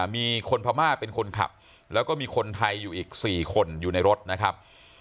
มีคนพม่าเป็นคนขับแล้วก็มีคนไทยอยู่อีก๔คนอยู่ในรถนะครับ